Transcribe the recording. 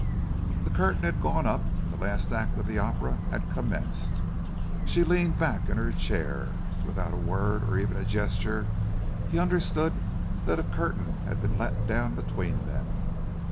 The curtain had gone up and the last act of the opera had commenced. She leaned back in her chair. Without a word or even a gesture, he understood that a curtain had been let down between them.